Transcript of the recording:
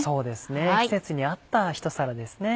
季節に合った一皿ですね。